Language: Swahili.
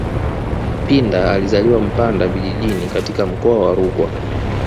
Pinda alizaliwa Mpanda vijijini katika mkoa wa Rukwa